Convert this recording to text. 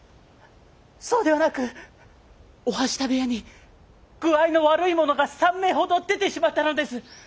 そうではなく御半下部屋に具合の悪いものが３名ほど出てしまったのです。